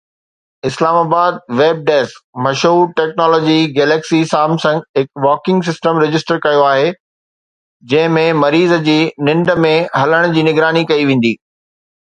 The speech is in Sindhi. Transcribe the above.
اسلام آباد (ويب ڊيسڪ) مشهور ٽيڪنالاجي گليڪسي سامسنگ هڪ واڪنگ سسٽم رجسٽر ڪيو آهي جنهن ۾ مريض جي ننڊ ۾ هلڻ جي نگراني ڪئي ويندي.